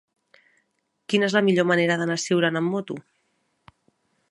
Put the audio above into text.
Quina és la millor manera d'anar a Siurana amb moto?